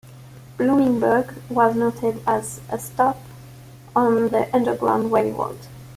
Bloomingburg was noted as a "stop" on the Underground Railroad.